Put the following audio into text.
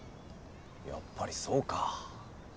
やっぱりそうか？